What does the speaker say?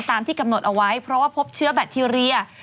ตามที่กำหนดเอาไว้เพราะว่าพบเชื้อแบคทีเรีย